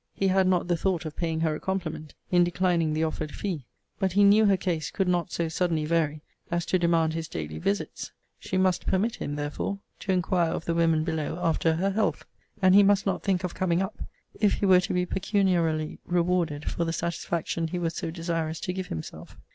He had not the thought of paying her a compliment in declining the offered fee: but he knew her case could not so suddenly vary as to demand his daily visits. She must permit him, therefore, to inquire of the women below after her health; and he must not think of coming up, if he were to be pecuniarily rewarded for the satisfaction he was so desirous to give himself.